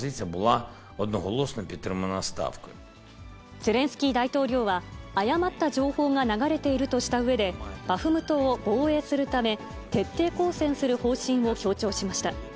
ゼレンスキー大統領は、誤った情報が流れているとしたうえで、バフムトを防衛するため、徹底抗戦する方針を強調しました。